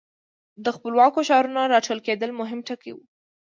د خپلواکو ښارونو را ټوکېدل مهم ټکي وو.